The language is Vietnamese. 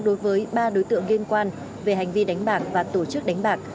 đối với ba đối tượng liên quan về hành vi đánh bạc và tổ chức đánh bạc